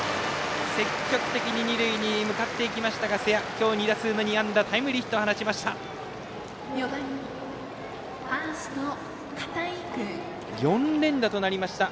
積極的に二塁に向かっていきましたが、瀬谷今日２打数２安打タイムリーヒットを放ちました。